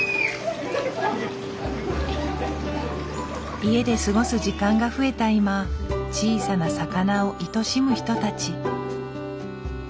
家で過ごす時間が増えた今小さな魚をいとしむ人たち。